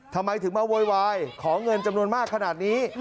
ทำไมถึงมาโวยวายขอเงินจำนวนมากขนาดนี้